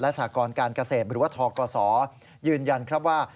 สากรการเกษตรหรือว่าทกศยืนยันครับว่า